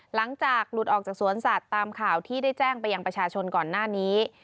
หลังจากหลุดออกจากสวนสัตว์ตามข่าวที่ได้แจ้งไปยังประชาชนก่อนหน้านี้